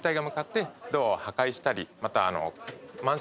また。